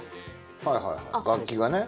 はいはいはい楽器がね。